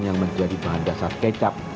yang menjadi bahan dasar kecap